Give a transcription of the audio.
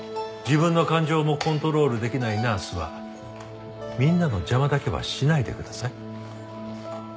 自分の感情もコントロールできないナースはみんなの邪魔だけはしないでください。